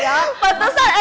patusan endor sepi mau gemukan